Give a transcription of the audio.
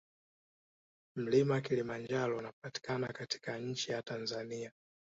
Mlima kulimanjaro unapatikana katika nchi ya Tanzania